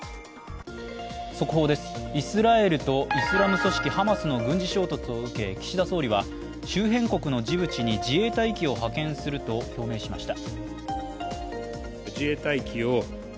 速報です、イスラエルとイスラム組織ハマスの軍事衝突を受け岸田総理は、周辺国のジブチに自衛隊機を派遣すると表明しました。